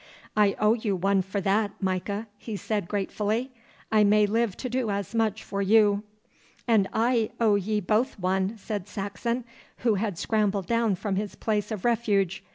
'I owe you one for that, Micah,' he said gratefully. 'I may live to do as much for you.' 'And I owe ye both one,' said Saxon, who had scrambled down from his place of refuge.